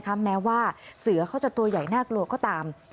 แม้ว่าเสือเขาจะตัวใหญ่น่ากลัวก็ตาม